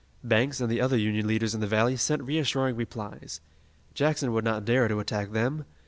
Banks and the other Union leaders in the valley sent reassuring replies. Jackson would not dare to attack them.